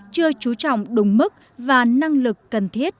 chưa chú trọng đúng mức và năng lực cần thiết